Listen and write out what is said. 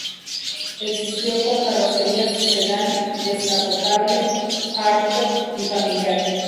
Existió con carrocerías sedán, descapotable, hardtop y familiar.